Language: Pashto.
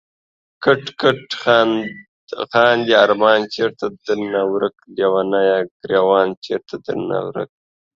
کټ کټ خاندی ارمان چېرته درنه ورک ليونيه، ګريوان چيرته درنه ورک